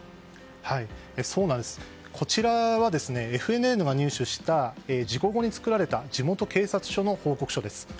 こちらはＦＮＮが入手した事故後に作られた地元警察署の報告書です。